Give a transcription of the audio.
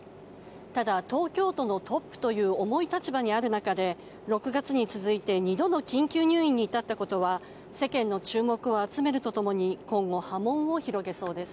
ただ、東京都のトップという重い立場にある中で６月に続いて２度の緊急入院に至ったことは世間の注目を集めるとともに今後、波紋を広げそうです。